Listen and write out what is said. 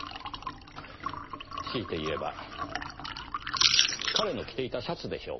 強いて言えば彼の着ていたシャツでしょうか。